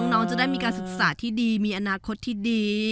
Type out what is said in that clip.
น้องจะได้มีการศึกษาที่ดีมีอนาคตที่ดี